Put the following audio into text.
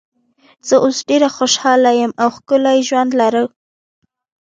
زه اوس ډېره خوشاله یم او ښکلی ژوند لرو.